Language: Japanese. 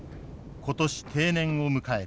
今年定年を迎える。